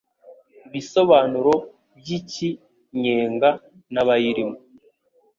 ibisobanuro by'iki nyenga n'abayirimo